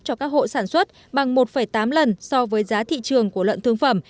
cho các hộ sản xuất bằng một tám lần so với giá thị trường của lợn thương phẩm